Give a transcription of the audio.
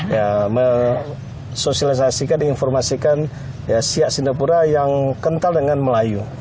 ya mesosialisasikan dan informasikan siak sindapura yang kental dengan melayu